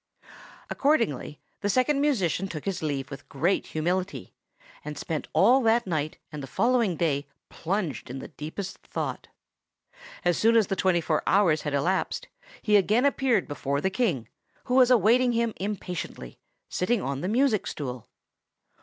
Accordingly the Second Musician took his leave with great humility, and spent all that night and the following day plunged in the deepest thought. As soon as the twenty four hours had elapsed he again appeared before the King, who was awaiting him impatiently, sitting on the music stool.